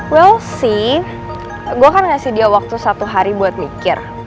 well sea gue kan ngasih dia waktu satu hari buat mikir